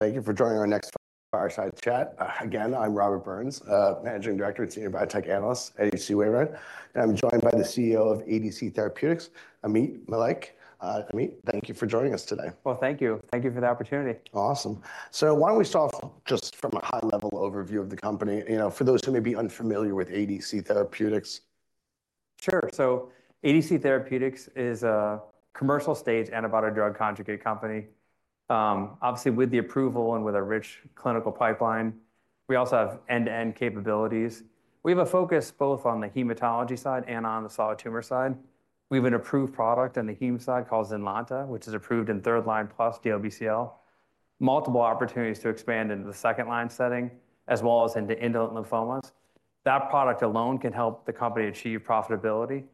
Thank you for joining our next fireside chat. Again, I'm Robert Burns, Managing Director and Senior Biotech Analyst at H.C. Wainwright, and I'm joined by the CEO of ADC Therapeutics, Ameet Mallik. Ameet, thank you for joining us today. Well, thank you. Thank you for the opportunity. Awesome. So why don't we start off just from a high-level overview of the company, you know, for those who may be unfamiliar with ADC Therapeutics? Sure. So ADC Therapeutics is a commercial-stage antibody-drug conjugate company. Obviously, with the approval and with a rich clinical pipeline, we also have end-to-end capabilities. We have a focus both on the hematology side and on the solid tumor side. We have an approved product on the heme side called Zynlonta, which is approved in third-line plus DLBCL. Multiple opportunities to expand into the second-line setting, as well as into indolent lymphomas. That product alone can help the company achieve profitability.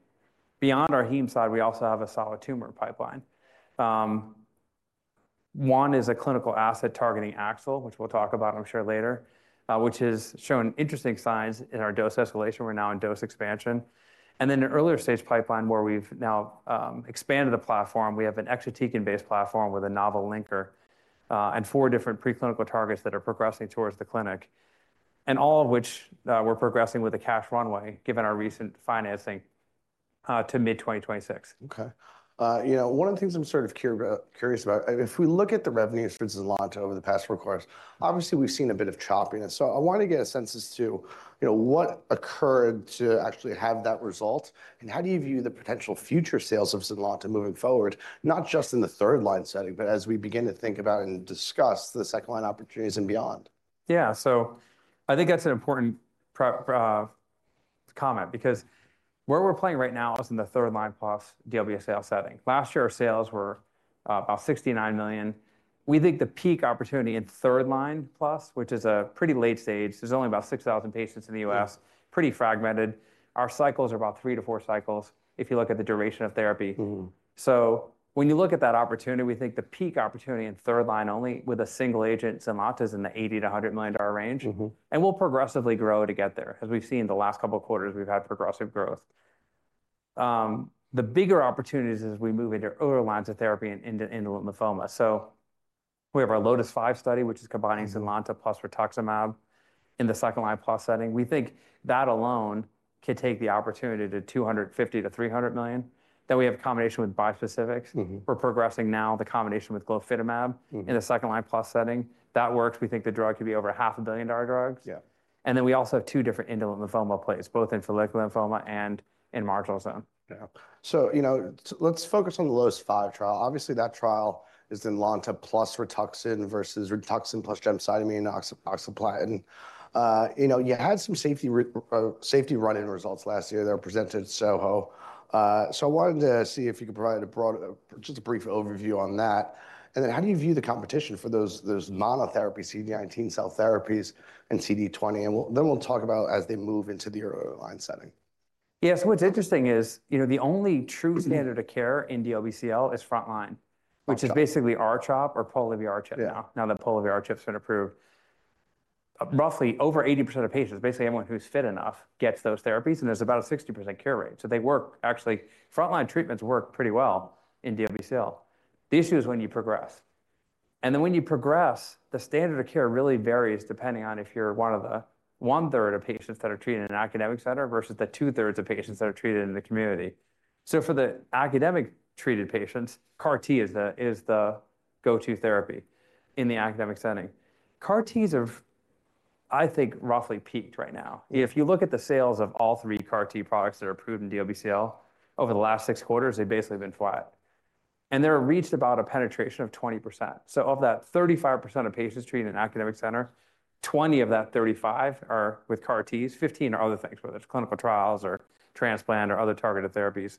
Beyond our heme side, we also have a solid tumor pipeline. One is a clinical asset targeting AXL, which we'll talk about, I'm sure, later, which has shown interesting signs in our dose escalation. We're now in dose expansion. Then an earlier stage pipeline, where we've now expanded the platform. We have an exatecan-based platform with a novel linker, and four different preclinical targets that are progressing towards the clinic, and all of which, we're progressing with a cash runway, given our recent financing, to mid-2026. Okay. You know, one of the things I'm sort of curious about, if we look at the revenue for Zynlonta over the past four quarters, obviously, we've seen a bit of choppiness. So I want to get a sense as to, you know, what occurred to actually have that result, and how do you view the potential future sales of Zynlonta moving forward, not just in the third-line setting, but as we begin to think about and discuss the second-line opportunities and beyond? Yeah. So I think that's an important pre-comment, because where we're playing right now is in the third-line plus DLBCL setting. Last year, our sales were about $69 million. We think the peak opportunity in third line plus, which is a pretty late stage, there's only about 6,000 patients in the U.S.- Mm. Pretty fragmented. Our cycles are about three to four cycles if you look at the duration of therapy. Mm-hmm. So when you look at that opportunity, we think the peak opportunity in third line only with a single agent, Zynlonta, is in the $80 million to $100 million range. Mm-hmm. We'll progressively grow to get there. As we've seen the last couple of quarters, we've had progressive growth. The bigger opportunities as we move into earlier lines of therapy and into indolent lymphoma. We have our LOTIS-5 study, which is combining Zynlonta plus rituximab in the second-line plus setting. We think that alone could take the opportunity to $250 million to $300 million. We have a combination with bispecifics. Mm-hmm. We're progressing now the combination with glofitamab- Mm-hmm. in the second-line plus setting. That works. We think the drug could be over $500 million drugs. Yeah. We also have two different indolent lymphoma plays, both in follicular lymphoma and in marginal zone. Yeah. So, you know, let's focus on the LOTIS-5 trial. Obviously, that trial is Zynlonta plus Rituxan versus Rituxan plus gemcitabine and oxaliplatin. You know, you had some safety run-in results last year that were presented at SOHO. So I wanted to see if you could provide a broad, just a brief overview on that. And then, how do you view the competition for those, those monotherapy CD19 cell therapies and CD20? And then we'll talk about as they move into the earlier line setting. Yeah, so what's interesting is, you know, the only true standard- Mm-hmm of care in DLBCL is frontline. Okay. - which is basically R-CHOP or Pola-R-CHOP- Yeah Now that Pola-R-CHOP has been approved. Roughly, over 80% of patients, basically anyone who's fit enough, gets those therapies, and there's about a 60% cure rate. So they work. Actually, frontline treatments work pretty well in DLBCL. The issue is when you progress, and then when you progress, the standard of care really varies, depending on if you're one of the one-third of patients that are treated in an academic center versus the two-thirds of patients that are treated in the community. So for the academic treated patients, CAR T is the, is the go-to therapy in the academic setting. CAR Ts have, I think, roughly peaked right now. Yeah. If you look at the sales of all three CAR T products that are approved in DLBCL, over the last six quarters, they've basically been flat. They've reached about a penetration of 20%. So of that, 35% of patients treated in an academic center, 20 of that 35 are with CAR Ts, 15 are other things, whether it's clinical trials or transplant or other targeted therapies.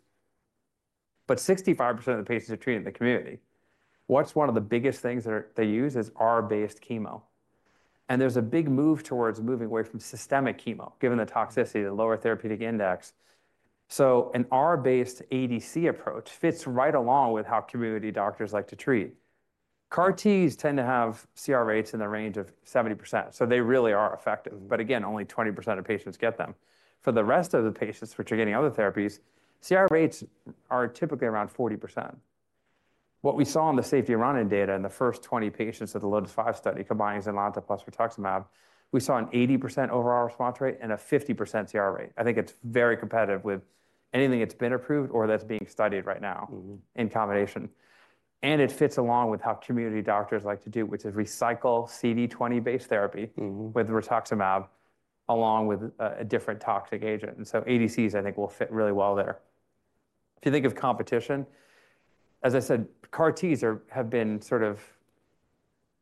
But 65% of the patients are treated in the community. What's one of the biggest things that they use is R-based chemo, and there's a big move towards moving away from systemic chemo, given the toxicity, the lower therapeutic index. So an R-based ADC approach fits right along with how community doctors like to treat. CAR Ts tend to have CR rates in the range of 70%, so they really are effective. But again, only 20% of patients get them. For the rest of the patients which are getting other therapies, CR rates are typically around 40%. What we saw in the safety run-in data in the first 20 patients of the LOTIS-5 study, combining Zynlonta plus rituximab, we saw an 80% overall response rate and a 50% CR rate. I think it's very competitive with anything that's been approved or that's being studied right now. Mm-hmm in combination, and it fits along with how community doctors like to do, which is recycle CD20-based therapy Mm-hmm with Rituximab, along with a different toxic agent. And so ADCs, I think, will fit really well there. If you think of competition, as I said, CAR Ts are, have been sort of,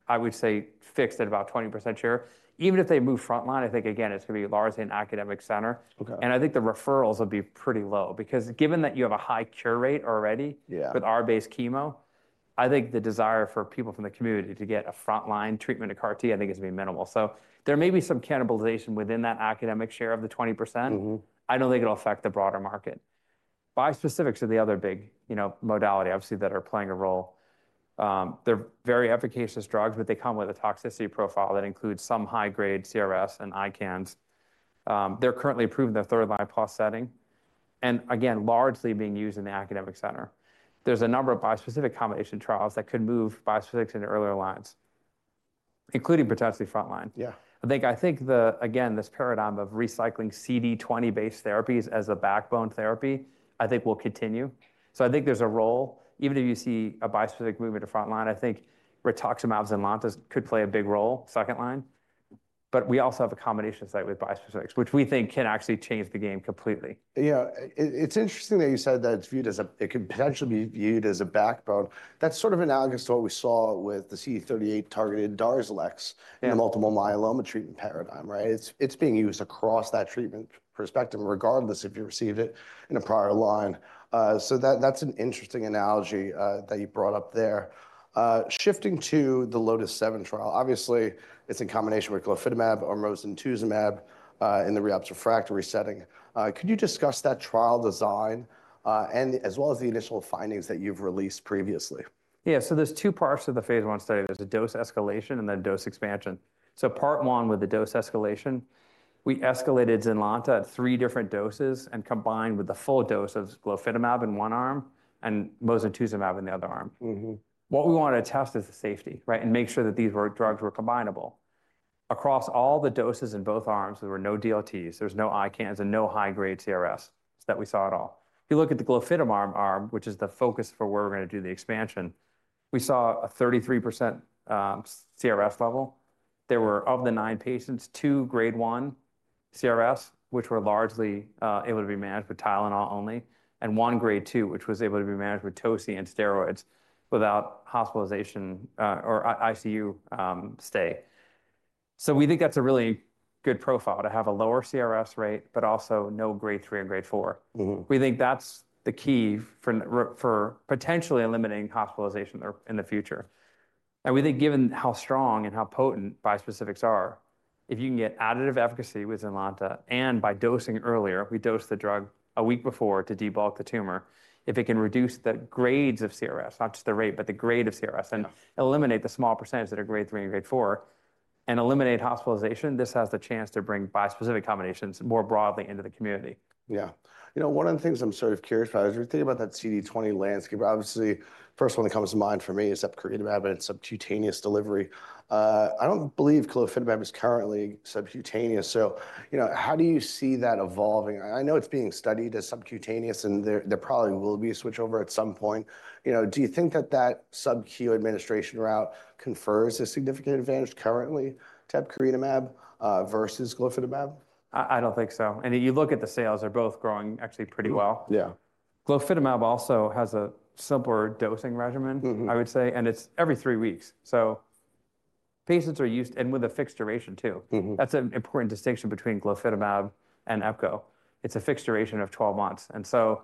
I would say, fixed at about 20% share. Even if they move frontline, I think, again, it's going to be largely an academic center. Okay. I think the referrals will be pretty low, because given that you have a high cure rate already- Yeah... with R-based chemo, I think the desire for people from the community to get a frontline treatment of CAR T, I think, is going to be minimal. So there may be some cannibalization within that academic share of the 20%. Mm-hmm. I don't think it'll affect the broader market. Bispecifics are the other big, you know, modality, obviously, that are playing a role. They're very efficacious drugs, but they come with a toxicity profile that includes some high-grade CRS and ICANS. They're currently approved in the third-line plus setting... and again, largely being used in the academic center. There's a number of bispecific combination trials that could move bispecifics into earlier lines, including potentially frontline. Yeah. I think, again, this paradigm of recycling CD20-based therapies as a backbone therapy, I think will continue. So I think there's a role, even if you see a bispecific move into frontline, I think rituximab and Zynlonta could play a big role, second line. But we also have a combination study with bispecifics, which we think can actually change the game completely. Yeah. It's interesting that you said that it's viewed as a backbone. That's sort of analogous to what we saw with the CD38-targeted Darzalex- Yeah in the multiple myeloma treatment paradigm, right? It's, it's being used across that treatment perspective, regardless if you received it in a prior line. So that, that's an interesting analogy that you brought up there. Shifting to the LOTIS-7 trial, obviously, it's in combination with glofitamab or mosunetuzumab in the relapsed refractory setting. Could you discuss that trial design, and as well as the initial findings that you've released previously? Yeah, so there's two parts to the phase 1 study. There's the dose escalation and then dose expansion. So part one, with the dose escalation, we escalated Zynlonta at three different doses and combined with the full dose of glofitamab in one arm and mosunetuzumab in the other arm. Mm-hmm. What we wanted to test is the safety, right? And make sure that these drugs were combinable. Across all the doses in both arms, there were no DLTs, there was no ICANS, and no high-grade CRS that we saw at all. If you look at the glofitamab arm, which is the focus for where we're gonna do the expansion, we saw a 33% CR level. There were, of the 9 patients, 2 grade 1 CRS, which were largely able to be managed with Tylenol only, and 1 grade 2, which was able to be managed with toci and steroids without hospitalization or ICU stay. So we think that's a really good profile to have a lower CRS rate, but also no grade 3 and grade 4. Mm-hmm. We think that's the key for for potentially eliminating hospitalization in the, in the future. And we think, given how strong and how potent bispecifics are, if you can get additive efficacy with Zynlonta and by dosing earlier, we dosed the drug a week before to debulk the tumor. If it can reduce the grades of CRS, not just the rate, but the grade of CRS- Yeah... and eliminate the small percentage that are grade three and grade four and eliminate hospitalization, this has the chance to bring bispecific combinations more broadly into the community. Yeah. You know, one of the things I'm sort of curious about, as we think about that CD20 landscape, obviously, first one that comes to mind for me is epcoritamab and subcutaneous delivery. I don't believe glofitamab is currently subcutaneous, so, you know, how do you see that evolving? I know it's being studied as subcutaneous, and there probably will be a switchover at some point. You know, do you think that that subcu administration route confers a significant advantage currently to epcoritamab versus glofitamab? I don't think so. And you look at the sales, they're both growing actually pretty well. Yeah. Glofitamab also has a simpler dosing regimen- Mm-hmm... I would say, and it's every three weeks. So patients are used, and with a fixed duration, too. Mm-hmm. That's an important distinction between glofitamab and epcoritamab. It's a fixed duration of 12 months. And so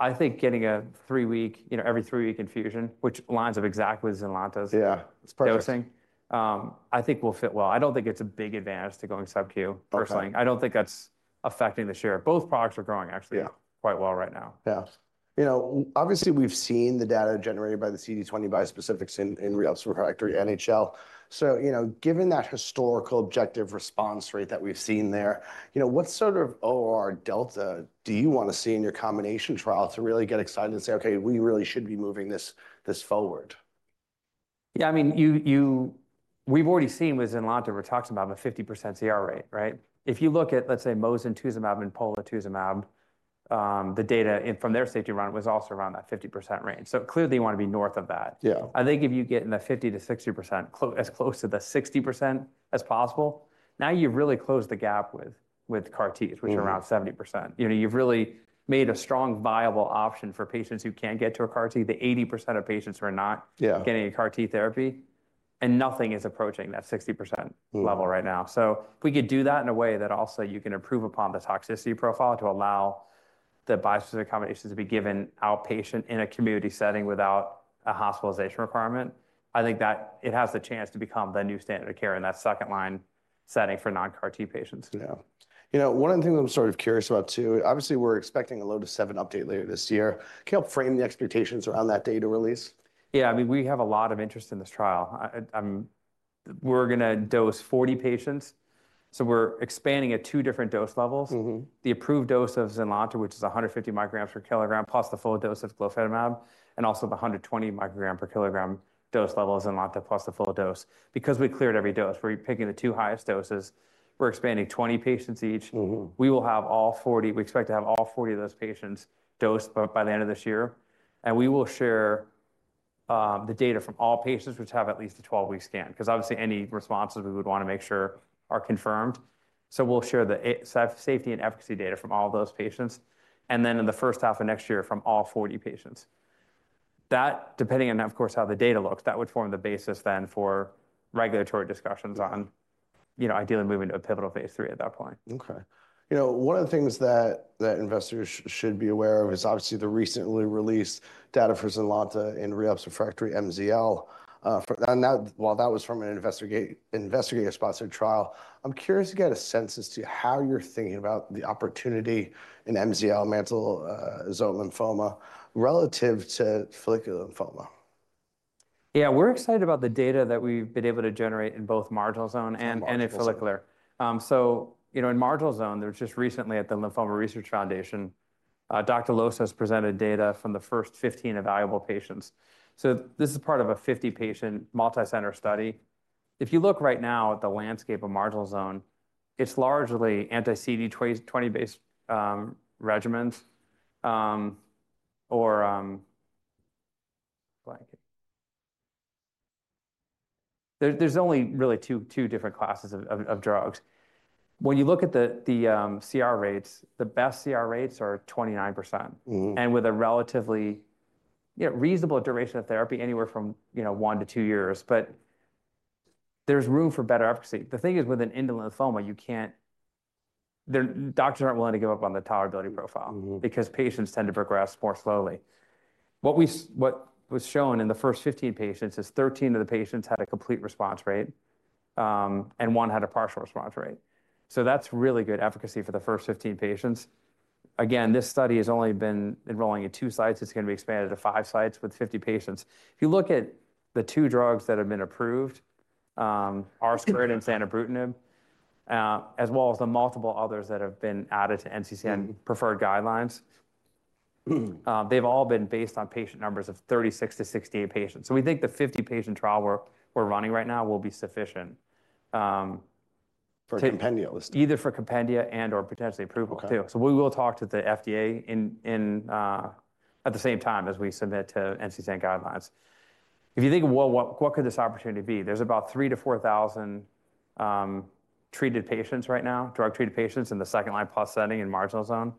I think getting a three-week, you know, every three-week infusion, which lines up exactly with Zynlonta's- Yeah, it's perfect. -dosing, I think will fit well. I don't think it's a big advantage to going subcu, personally. Okay. I don't think that's affecting the share. Both products are growing, actually- Yeah... quite well right now. Yeah. You know, obviously, we've seen the data generated by the CD20 bispecifics in, in relapsed refractory NHL. So, you know, given that historical objective response rate that we've seen there, you know, what sort of OR delta do you want to see in your combination trial to really get excited and say, "Okay, we really should be moving this, this forward? Yeah, I mean, we've already seen with Zynlonta where we're talking about a 50% CR rate, right? If you look at, let's say, mosunetuzumab and polatuzumab, the data from their safety run was also around that 50% range. So clearly, you want to be north of that. Yeah. I think if you get in the 50% to 60% as close to the 60% as possible, now you've really closed the gap with CAR-Ts. Mm-hmm... which are around 70%. You know, you've really made a strong, viable option for patients who can't get to a CAR-T. The 80% of patients who are not- Yeah... getting a CAR-T therapy, and nothing is approaching that 60% level right now. Mm. If we could do that in a way that also you can improve upon the toxicity profile to allow the bispecific combinations to be given outpatient in a community setting without a hospitalization requirement, I think that it has the chance to become the new standard of care in that second line setting for non-CAR-T patients. Yeah. You know, one of the things I'm sort of curious about too, obviously, we're expecting a LOTIS-7 update later this year. Can you help frame the expectations around that data release? Yeah, I mean, we have a lot of interest in this trial. We're gonna dose 40 patients, so we're expanding at two different dose levels. Mm-hmm. The approved dose of Zynlonta, which is 150 micrograms per kilogram, plus the full dose of Glofitimab, and also the 120 microgram per kilogram dose level of Zynlonta, plus the full dose. Because we cleared every dose, we're picking the two highest doses. We're expanding 20 patients each. Mm-hmm. We expect to have all 40 of those patients dosed by the end of this year, and we will share the data from all patients which have at least a 12-week scan. Because obviously, any responses we would want to make sure are confirmed. So we'll share the safety and efficacy data from all those patients, and then in the first half of next year, from all 40 patients. That, depending on, of course, how the data looks, that would form the basis then for regulatory discussions on- Yeah... you know, ideally moving to a pivotal phase 3 at that point. Okay. You know, one of the things that investors should be aware of is obviously the recently released data for Zynlonta in relapsed refractory MZL. While that was from an investigative-sponsored trial, I'm curious to get a sense as to how you're thinking about the opportunity in MZL, marginal zone lymphoma, relative to follicular lymphoma.... Yeah, we're excited about the data that we've been able to generate in both marginal zone and in follicular. So, you know, in marginal zone, there's just recently at the Lymphoma Research Foundation, Dr. Lossos presented data from the first 15 evaluable patients. So this is part of a 50-patient multicenter study. If you look right now at the landscape of marginal zone, it's largely anti-CD20-based regimens, or like there's only really two different classes of drugs. When you look at the CR rates, the best CR rates are 29%. Mm-hmm. With a relatively, you know, reasonable duration of therapy, anywhere from, you know, one to two years, but there's room for better efficacy. The thing is, with an indolent lymphoma, you can't, the doctors aren't willing to give up on the tolerability profile- Mm-hmm. because patients tend to progress more slowly. What was shown in the first 15 patients is 13 of the patients had a complete response rate, and one had a partial response rate. So that's really good efficacy for the first 15 patients. Again, this study has only been enrolling at two sites. It's going to be expanded to five sites with 50 patients. If you look at the two drugs that have been approved, acalabrutinib and zanubrutinib, as well as the multiple others that have been added to NCCN preferred guidelines, they've all been based on patient numbers of 36 to 68 patients. So we think the 50-patient trial we're running right now will be sufficient to- For compendia listing. Either for compendia and or potentially approval, too. Okay. So we will talk to the FDA at the same time as we submit to NCCN guidelines. If you think what could this opportunity be? There's about 3,000-4,000 treated patients right now, drug-treated patients in the second-line plus setting in marginal zone.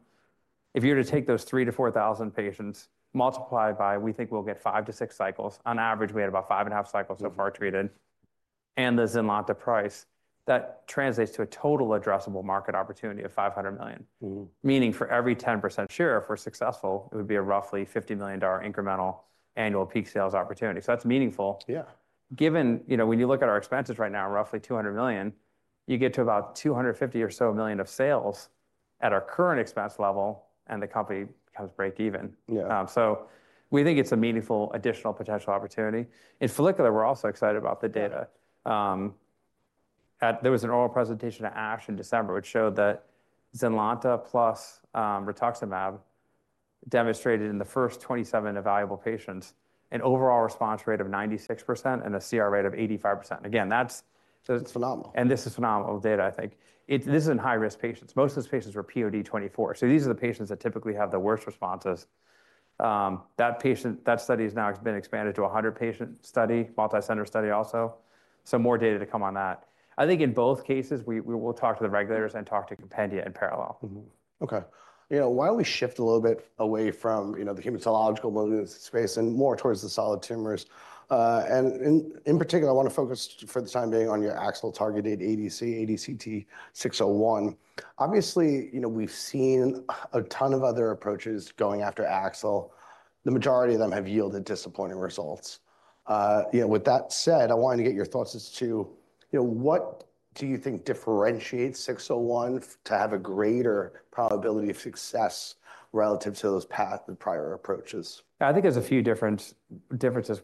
If you were to take those 3,000-4,000 patients, multiply by, we think we'll get five to six cycles. On average, we had about 5.5 cycles so far treated, and the Zynlonta price, that translates to a total addressable market opportunity of $500 million. Mm-hmm. Meaning for every 10% share, if we're successful, it would be a roughly $50 million incremental annual peak sales opportunity. So that's meaningful. Yeah. Given... You know, when you look at our expenses right now, roughly $200 million, you get to about $250 million or so of sales at our current expense level, and the company becomes break even. Yeah. So we think it's a meaningful additional potential opportunity. In follicular, we're also excited about the data. There was an oral presentation at ASH in December, which showed that Zynlonta plus rituximab demonstrated in the first 27 evaluable patients an overall response rate of 96% and a CR rate of 85%. Again, that's- It's phenomenal. This is phenomenal data, I think. This is in high-risk patients. Most of these patients were POD24. So these are the patients that typically have the worst responses. That study has now been expanded to a 100-patient study, multicenter study also. So more data to come on that. I think in both cases, we will talk to the regulators and talk to compendia in parallel. Mm-hmm. Okay. You know, why don't we shift a little bit away from, you know, the hematological malignant space and more towards the solid tumors. And in particular, I want to focus for the time being on your AXL-targeted ADC, ADCT-601. Obviously, you know, we've seen a ton of other approaches going after AXL. The majority of them have yielded disappointing results. You know, with that said, I wanted to get your thoughts as to, you know, what do you think differentiates 601 to have a greater probability of success relative to those the prior approaches? I think there's a few differences.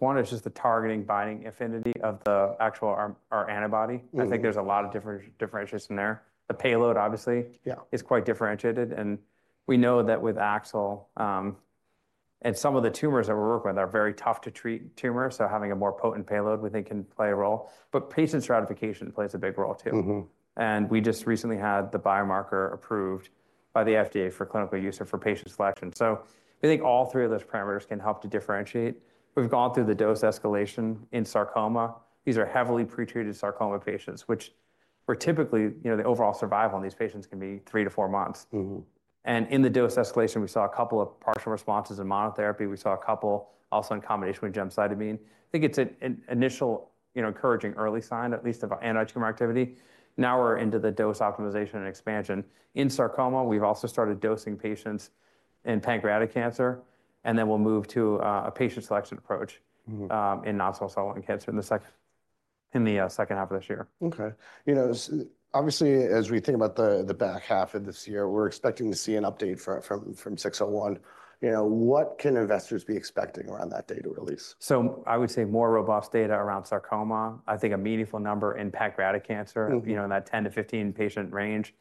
One is just the targeting binding affinity of the actual our antibody. Mm-hmm. I think there's a lot of differentiations in there. The payload, obviously- Yeah... is quite differentiated, and we know that with AXL, and some of the tumors that we work with are very tough-to-treat tumors, so having a more potent payload, we think, can play a role. But patient stratification plays a big role, too. Mm-hmm. We just recently had the biomarker approved by the FDA for clinical use or for patient selection. We think all three of those parameters can help to differentiate. We've gone through the dose escalation in sarcoma. These are heavily pretreated sarcoma patients where typically, you know, the overall survival in these patients can be three to four months. Mm-hmm. In the dose escalation, we saw a couple of partial responses. In monotherapy, we saw a couple also in combination with Gemcitabine. I think it's an initial, you know, encouraging early sign, at least of anti-tumor activity. Now, we're into the dose optimization and expansion. In sarcoma, we've also started dosing patients in pancreatic cancer, and then we'll move to a patient selection approach. Mm-hmm. in non-small cell lung cancer in the second half of this year. Okay. You know, obviously, as we think about the back half of this year, we're expecting to see an update from 601. You know, what can investors be expecting around that data release? I would say more robust data around sarcoma, I think a meaningful number in pancreatic cancer- Mm-hmm. You know, in that 10 to 5 patient range.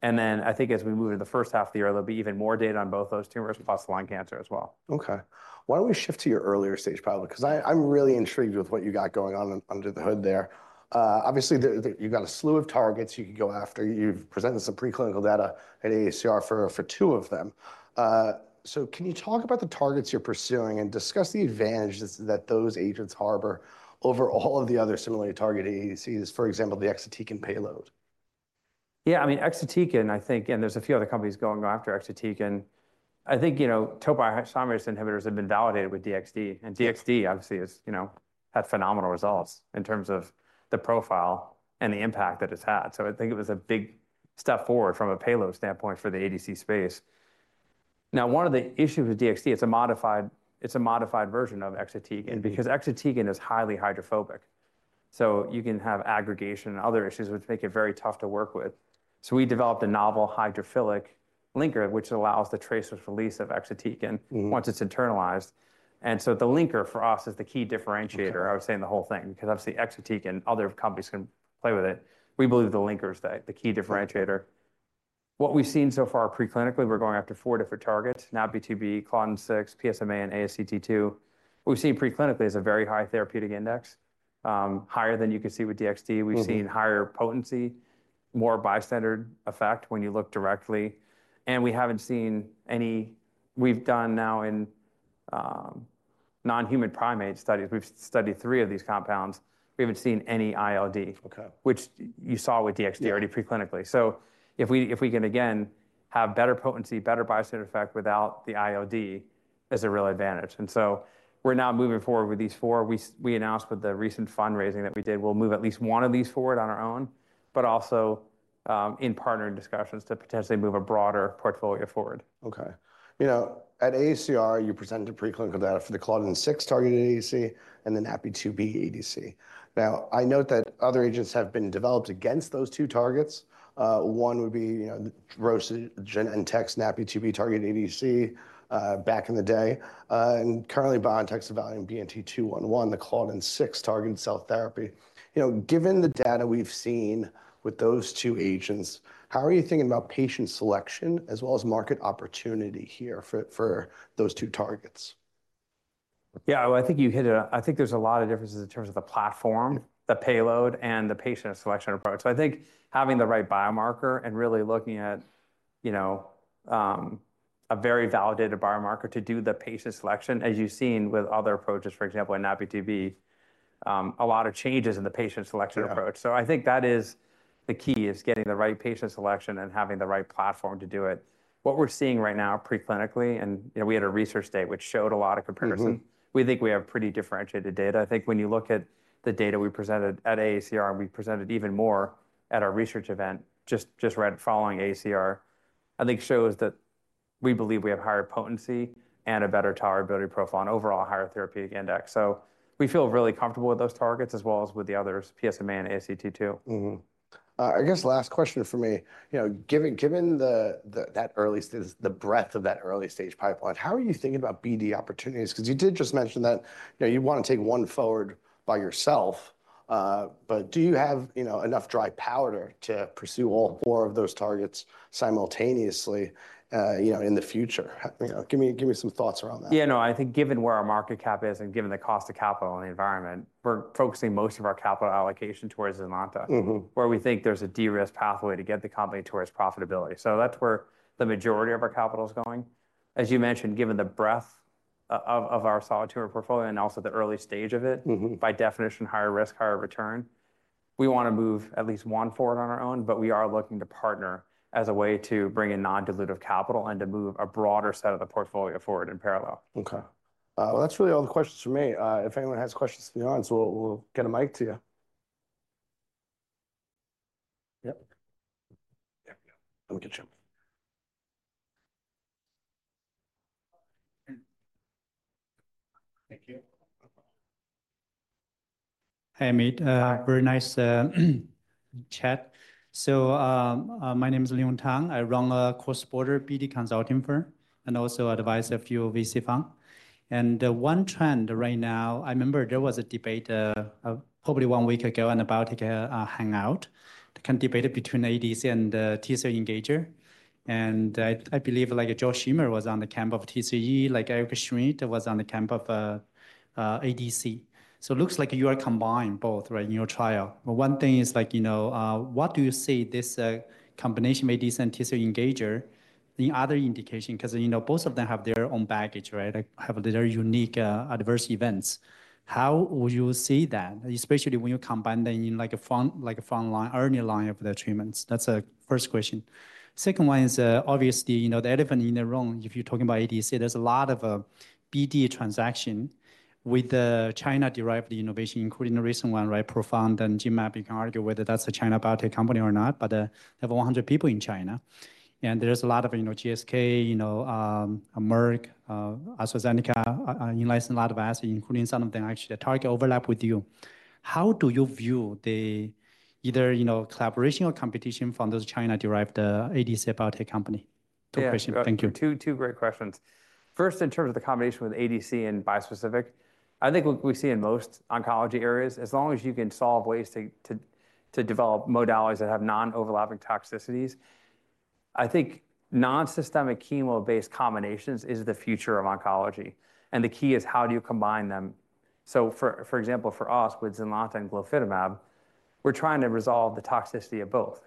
And then I think as we move into the first half of the year, there'll be even more data on both those tumors, plus lung cancer as well. Okay. Why don't we shift to your earlier stage pipeline? Because I, I'm really intrigued with what you got going on under the hood there. Obviously, you've got a slew of targets you can go after. You've presented some preclinical data at AACR for two of them. So can you talk about the targets you're pursuing and discuss the advantages that those agents harbor over all of the other similarly targeted ADCs, for example, the exatecan payload? Yeah, I mean, Exatecan, I think, and there's a few other companies going after Exatecan. I think, you know, topoisomerase inhibitors have been validated with DXD, and DXD, obviously, is, you know, had phenomenal results in terms of the profile and the impact that it's had. So I think it was a big step forward from a payload standpoint for the ADC space. Now, one of the issues with DXD, it's a modified, it's a modified version of Exatecan, because Exatecan is highly hydrophobic.... So you can have aggregation and other issues which make it very tough to work with. So we developed a novel hydrophilic linker, which allows the traceless release of Exatecan- Mm-hmm. Once it's internalized. And so the linker for us is the key differentiator. I would say in the whole thing, because obviously, Exatecan, other companies can play with it. We believe the linker is the, the key differentiator. What we've seen so far preclinically, we're going after four different targets, NaPi2b, Claudin-6, PSMA, and ASCT2. What we've seen preclinically is a very high therapeutic index, higher than you could see with DXD. Mm-hmm. We've seen higher potency, more bystander effect when you look directly, and we haven't seen any. We've done now in non-human primate studies, we've studied three of these compounds. We haven't seen any ILD- Okay. - which you saw with DXD already preclinically. Yeah. So if we can again have better potency, better bystander effect without the ILD, is a real advantage. And so we're now moving forward with these four. We announced with the recent fundraising that we did, we'll move at least one of these forward on our own, but also in partner discussions to potentially move a broader portfolio forward. Okay. You know, at AACR, you presented preclinical data for the Claudin-6-targeted ADC, and then NaPi2b ADC. Now, I note that other agents have been developed against those two targets. One would be, you know, the Roche, Genentech, NaPi2b-targeted ADC, back in the day, and currently BioNTech and TekSeva and BNT211, the Claudin-6-targeted cell therapy. You know, given the data we've seen with those two agents, how are you thinking about patient selection as well as market opportunity here for those two targets? Yeah, I think you hit it. I think there's a lot of differences in terms of the platform, the payload, and the patient selection approach. So I think having the right biomarker and really looking at, you know, a very validated biomarker to do the patient selection, as you've seen with other approaches, for example, in NaPi2b, a lot of changes in the patient selection approach. Yeah. So I think that is the key, is getting the right patient selection and having the right platform to do it. What we're seeing right now preclinically, and, you know, we had a research day, which showed a lot of comparison. Mm-hmm. We think we have pretty differentiated data. I think when you look at the data we presented at AACR, we presented even more at our research event, just right following AACR. I think shows that we believe we have higher potency and a better tolerability profile and overall higher therapeutic index. So we feel really comfortable with those targets as well as with the others, PSMA and ASCT2. Mm-hmm. I guess last question for me, you know, given that early stage, the breadth of that early-stage pipeline, how are you thinking about BD opportunities? Because you did just mention that, you know, you want to take one forward by yourself, but do you have, you know, enough dry powder to pursue all four of those targets simultaneously, you know, in the future? You know, give me some thoughts around that. Yeah, no, I think given where our market cap is and given the cost of capital and the environment, we're focusing most of our capital allocation towards Zynlonta- Mm-hmm... where we think there's a de-risked pathway to get the company towards profitability. So that's where the majority of our capital is going. As you mentioned, given the breadth of our solid tumor portfolio and also the early stage of it- Mm-hmm... by definition, higher risk, higher return. We want to move at least one forward on our own, but we are looking to partner as a way to bring in non-dilutive capital and to move a broader set of the portfolio forward in parallel. Okay. That's really all the questions for me. If anyone has questions for beyond, so we'll, we'll get a mic to you. Yep. Yep, we'll get you. Thank you. Hey, Ameet, very nice chat. So, my name is Leon Tang. I run a cross-border BD consulting firm and also advise a few VC fund. And one trend right now, I remember there was a debate, probably one week ago on a Biotech Hangout, the debate between ADC and T-cell engager. And I, I believe, like, Josh Schimmer was on the camp of TCE, like, Eric Schmidt was on the camp of ADC. So it looks like you are combined both, right, in your trial. But one thing is, like, you know, what do you see this combination, maybe ADC and T-cell engager, the other indication, because, you know, both of them have their own baggage, right? They have their unique adverse events. How would you see that, especially when you combine them in, like a front, like a front line, early line of the treatments? That's a first question. Second one is, obviously, you know, the elephant in the room, if you're talking about ADC, there's a lot of, BD transaction with the China-derived innovation, including the recent one, right, ProfoundBio and Genmab. You can argue whether that's a China biotech company or not, but, they have 100 people in China, and there's a lot of, you know, GSK, you know, Merck, AstraZeneca, you know, listen, a lot of us, including some of them, actually, the target overlap with you. How do you view the either, you know, collaboration or competition from those China-derived, ADC biotech company? Two question. Thank you. Yeah, two great questions. First, in terms of the combination with ADC and bispecific, I think what we see in most oncology areas, as long as you can solve ways to develop modalities that have non-overlapping toxicities, I think non-systemic chemo-based combinations is the future of oncology, and the key is how do you combine them? So for example, for us, with Zynlonta and Glofitimab, we're trying to resolve the toxicity of both.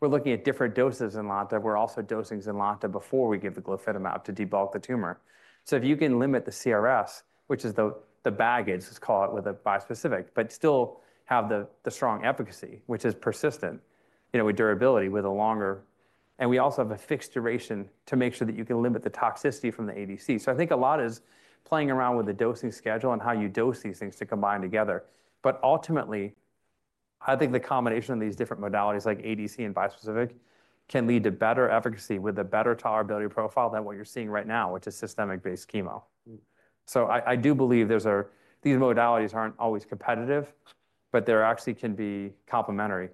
We're looking at different doses of Zynlonta. We're also dosing Zynlonta before we give the Glofitimab to debulk the tumor. So if you can limit the CRS, which is the baggage, let's call it, with a bispecific, but still have the strong efficacy, which is persistent, you know, with durability, with a longer... We also have a fixed duration to make sure that you can limit the toxicity from the ADC. So I think a lot is playing around with the dosing schedule and how you dose these things to combine together. But ultimately. I think the combination of these different modalities, like ADC and bispecific, can lead to better efficacy with a better tolerability profile than what you're seeing right now, which is systemic-based chemo. So I do believe there's a these modalities aren't always competitive, but they actually can be complementary.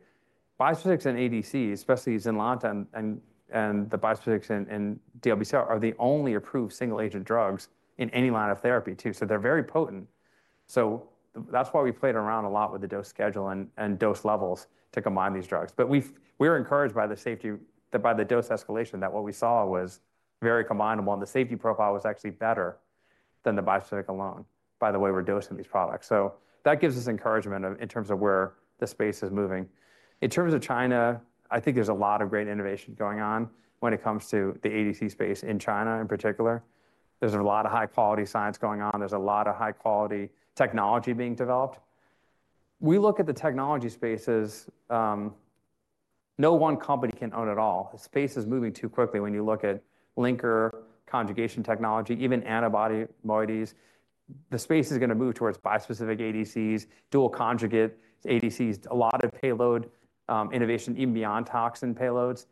Bispecifics and ADCs, especially Zynlonta and the bispecifics and DLBCL, are the only approved single-agent drugs in any line of therapy, too. So they're very potent. So that's why we played around a lot with the dose schedule and dose levels to combine these drugs. But we're encouraged by the safety, by the dose escalation, that what we saw was very combinable, and the safety profile was actually better than the bispecific alone, by the way we're dosing these products. So that gives us encouragement in terms of where the space is moving. In terms of China, I think there's a lot of great innovation going on when it comes to the ADC space in China, in particular. There's a lot of high-quality science going on. There's a lot of high-quality technology being developed. We look at the technology spaces, no one company can own it all. The space is moving too quickly when you look at linker, conjugation technology, even antibody moieties. The space is gonna move towards bispecific ADCs, dual conjugate ADCs, a lot of payload, innovation, even beyond toxin payloads.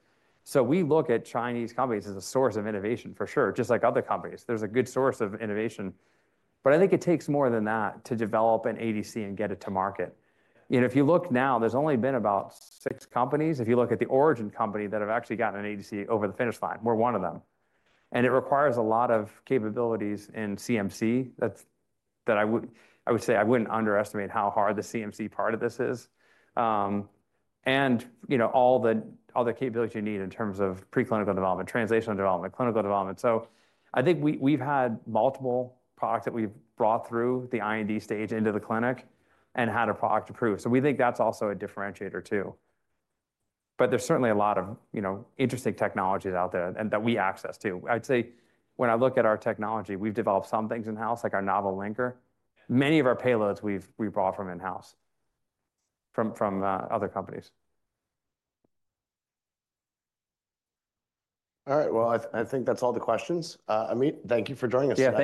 So we look at Chinese companies as a source of innovation for sure, just like other companies. There's a good source of innovation, but I think it takes more than that to develop an ADC and get it to market. You know, if you look now, there's only been about 6 companies. If you look at the origin company that have actually gotten an ADC over the finish line, we're one of them. And it requires a lot of capabilities in CMC, that's that I would say I wouldn't underestimate how hard the CMC part of this is. And, you know, all the capabilities you need in terms of preclinical development, translational development, clinical development. So I think we, we've had multiple products that we've brought through the IND stage into the clinic and had a product approved. So we think that's also a differentiator, too. But there's certainly a lot of, you know, interesting technologies out there and that we access too. I'd say, when I look at our technology, we've developed some things in-house, like our novel linker. Many of our payloads, we've bought from in-house, from other companies. All right, well, I think that's all the questions. Ameet, thank you for joining us today.